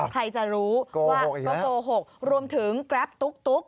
ใครจะรู้ว่าก็โกหกรวมถึงแกรปตุ๊ก